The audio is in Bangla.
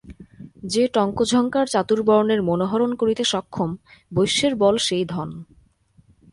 যে টঙ্কঝঙ্কার চাতুর্বর্ণ্যের মনোহরণ করিতে সক্ষম, বৈশ্যের বল সেই ধন।